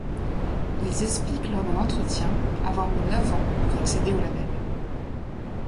Ils expliquent lors d'un entretien avoir mis neuf ans pour accéder au label.